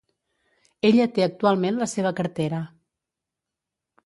Ella té actualment la seva cartera.